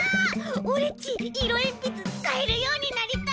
オレっちいろえんぴつつかえるようになりたい！